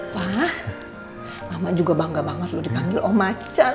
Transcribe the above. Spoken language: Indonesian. pak mama juga bangga banget lu dipanggil omacan